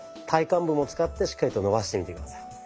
体幹部も使ってしっかりと伸ばしてみて下さい。